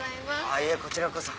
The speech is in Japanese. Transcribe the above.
あっいえこちらこそ。